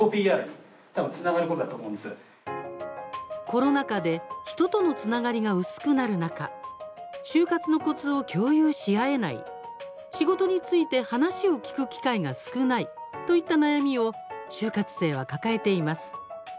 コロナ禍で人とのつながりが薄くなる中就活のコツを共有し合えない仕事について話を聞く機会が少ないといった悩みを就活生は抱えています。